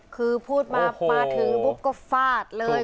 คือพูดมามาถึงปุ๊บก็ฟาดเลย